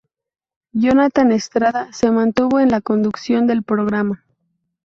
Jonathan Estrada se mantuvo en la conducción del programa.